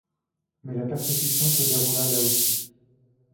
Mais la persécution se déroula là aussi.